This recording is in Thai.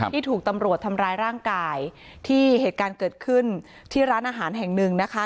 ที่ถูกตำรวจทำร้ายร่างกายที่เหตุการณ์เกิดขึ้นที่ร้านอาหารแห่งหนึ่งนะคะ